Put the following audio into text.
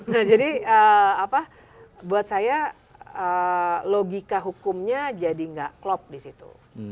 nah jadi buat saya logika hukumnya jadi gak klop disitu